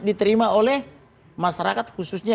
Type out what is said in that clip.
diterima oleh masyarakat khususnya